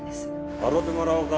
払うてもらおうか。